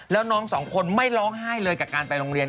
แล้วน้องสองคนไม่ร้องไห้เลยกับการไปโรงเรียน